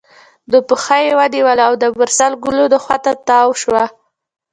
نو پښه یې ونیوله او د مرسل ګلونو خوا ته تاوه شوه.